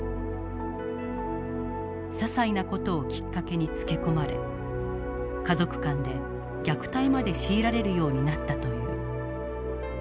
ささいな事をきっかけにつけ込まれ家族間で虐待まで強いられるようになったという。